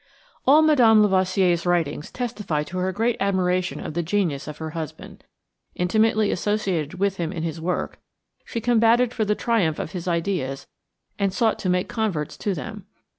All Mme. Lavoisier's writings testify to her great admiration of the genius of her husband. Intimately associated with him in his work, she combatted for the triumph of his ideas and sought to make converts to them.